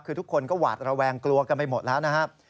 คือทุกคนก็หวาดระแวงกลัวกันไปหมดแล้วนะครับ